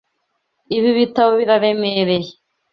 Ibi bitabo biraremereye.